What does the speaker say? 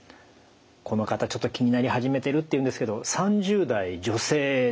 この方ちょっと気になり始めてるっていうんですけど３０代女性でした。